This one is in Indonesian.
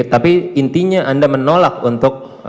tapi intinya anda menolak untuk